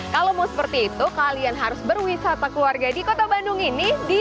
taman wisata ikonek